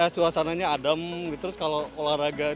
suasana nya adem gitu terus kalau olahraga